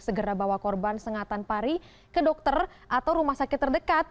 segera bawa korban sengatan pari ke dokter atau rumah sakit terdekat